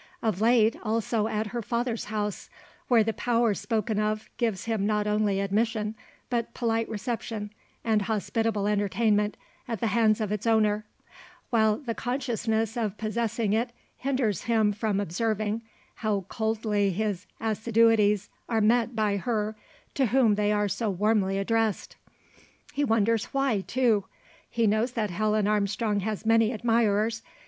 Of late also at her father's house; where the power spoken of gives him not only admission, but polite reception, and hospitable entertainment, at the hands of its owner; while the consciousness of possessing it hinders him from observing, how coldly his assiduities are met by her to whom they are so warmly addressed. He wonders why, too. He knows that Helen Armstrong has many admirers.